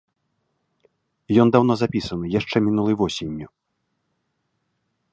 Ён даўно запісаны, яшчэ мінулай восенню.